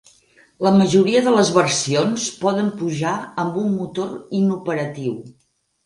La majoria de les versions poden pujar amb un motor inoperatiu.